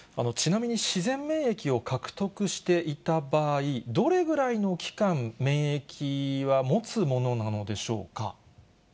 ちなみに自然免疫を獲得していた場合、どれぐらいの期間、免疫はもつものなのでしょうか。